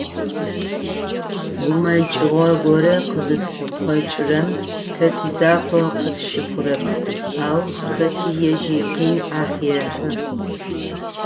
Гумэкӏыгъо горэ къызытфыкъокӏырэм, тэ тизакъоу къытщыхъурэп, ау хэти ежь икъин ӏахь ехьы.